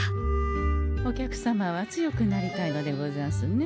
お客様は強くなりたいのでござんすね？